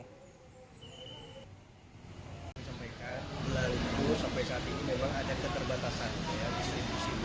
dari dulu sampai saat ini memang ada keterbatasan distribusi dua ktp